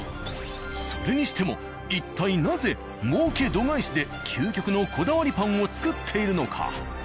それにしても一体なぜ儲け度外視で究極のこだわりパンを作っているのか？